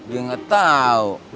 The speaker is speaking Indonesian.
dia gak tau